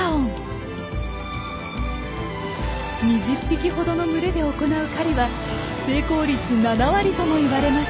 ２０匹ほどの群れで行う狩りは成功率７割ともいわれます。